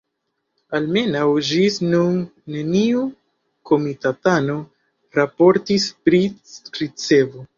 Almenaŭ ĝis nun neniu komitatano raportis pri ricevo.